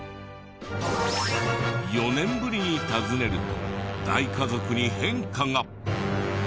４年ぶりに訪ねると大家族に変化が！